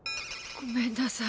ごめんなさい。